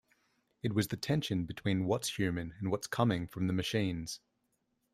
It was the tension between what's human and what's coming from the machines.